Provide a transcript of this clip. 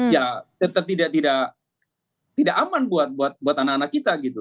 ya tetap tidak aman buat anak anak kita gitu